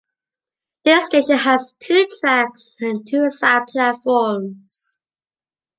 This station has two tracks and two side platforms.